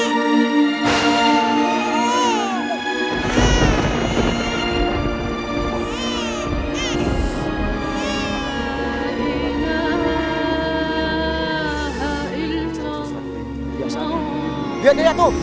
biar dia jatuh